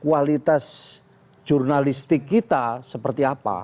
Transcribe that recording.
kualitas jurnalistik kita seperti apa